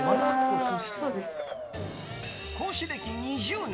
講師歴２０年。